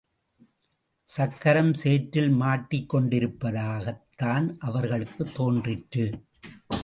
சக்கரம் சேற்றில் மாட்டிக்கொண்டிருப்பதாகத்தான் அவர்களுக்குத் தோன்றிற்று.